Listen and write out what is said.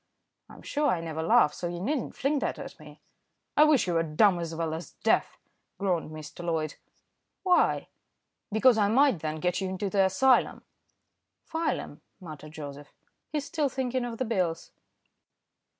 "I'm sure I never laugh, so you needn't fling that at me." "I wish you were dumb as well as deaf," groaned Mr. Loyd. "Why?" "Because I might then get you into the asylum." "File 'em," muttered Joseph. "He's still thinking of the bills."